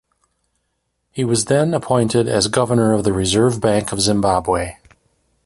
He was then appointed as governor of the Reserve Bank of Zimbabwe.